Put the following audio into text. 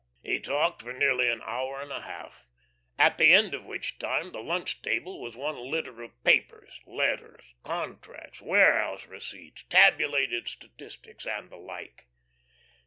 He talked for nearly an hour and a half, at the end of which time the lunch table was one litter of papers letters, contracts, warehouse receipts, tabulated statistics, and the like.